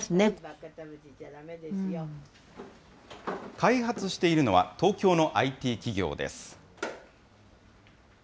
開発しているのは、東京のＩＴ企業です。